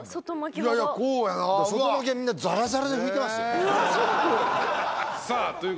いやいやこうやな外巻きはみんなザラザラで拭いてますようわ